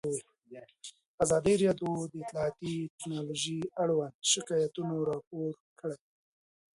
ازادي راډیو د اطلاعاتی تکنالوژي اړوند شکایتونه راپور کړي.